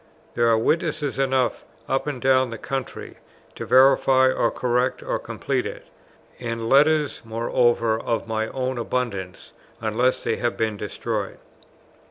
There are witnesses enough up and down the country to verify, or correct, or complete it; and letters moreover of my own in abundance, unless they have been destroyed.